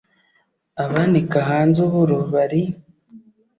Abanika ahanze uburo bari